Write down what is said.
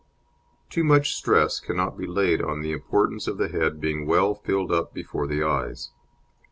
Too much stress cannot be laid on the importance of the head being well filled up before the eyes.